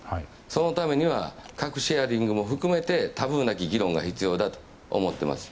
そのためには核シェアリングも含めてタブーなき議論が必要だと思っています。